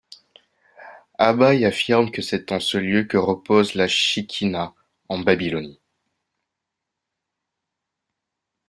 Abaye affirme que c'est en ce lieu que repose la Shekhinah en Babylonie.